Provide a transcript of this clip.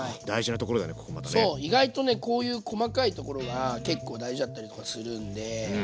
そう意外とねこういう細かいところが結構大事だったりするんで。